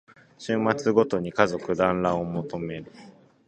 週末ごとに家族だんらんを求める